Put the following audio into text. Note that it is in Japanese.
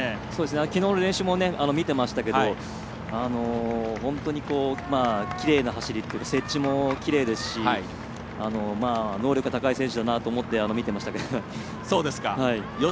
きのうの練習も見ていましたが本当に、きれいな走り接地もきれいですし能力が高い選手だと思って見てましたけど。